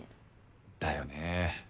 だよね。